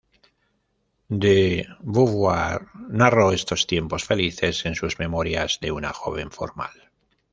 De Beauvoir narró estos tiempos felices en sus "Memorias de una joven formal".